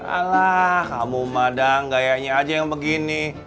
alah kamu madang gayanya aja yang begini